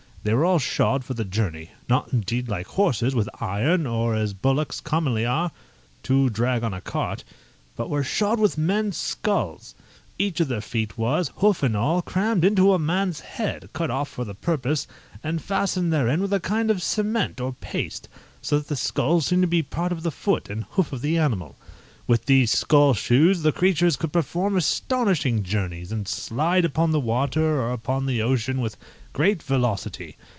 They were all shod for the journey, not indeed like horses, with iron, or as bullocks commonly are, to drag on a cart; but were shod with men's skulls. Each of their feet was, hoof and all, crammed into a man's head, cut off for the purpose, and fastened therein with a kind of cement or paste, so that the skull seemed to be a part of the foot and hoof of the animal. With these skull shoes the creatures could perform astonishing journeys, and slide upon the water, or upon the ocean, with great velocity.